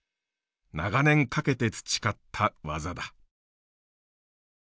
長年かけて培った技だ。